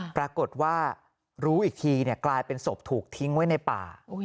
ปรากฏว่ารู้อีกทีกลายเป็นศพถูกทิ้งไว้ในป่า